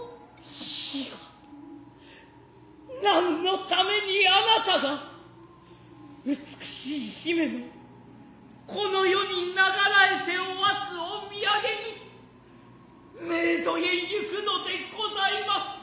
やあ何のために貴女が美しい姫の此の世にながらへておはすを土産に冥土へ行くのでございます。